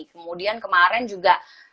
kemudian kemarin juga